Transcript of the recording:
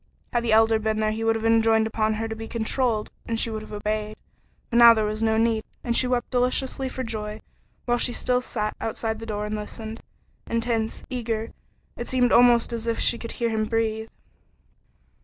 Had the Elder been there he would have enjoined upon her to be controlled and she would have obeyed, but now there was no need, and she wept deliciously for joy while she still sat outside the door and listened. Intense eager it seemed almost as if she could hear him breathe.